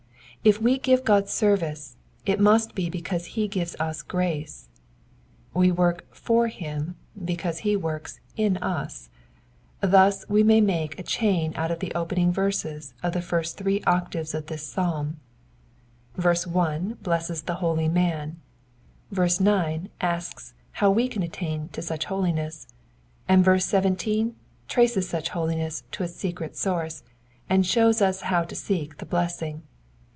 If we give God service it must be because he gives us grace. We work for him because he works in us. Thus we may make a chain out of the opening verses of the three first octaves of this psalm : verse 1 blesses the holy man, verse 9 asks how we can attain to such holi ness, and verse 17 traces such holiness to its secret source, and shows us how to seek the blessing.